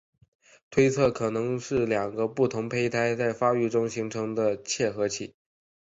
推测可能是两个不同胚胎在发育中形成一个嵌合体。